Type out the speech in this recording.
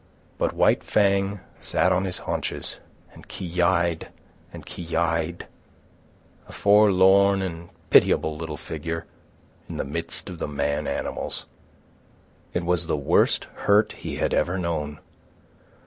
But White Fang sat on his haunches and ki yi'd and ki yi'd, a forlorn and pitiable little figure in the midst of the man animals. It was the worst hurt he had ever known.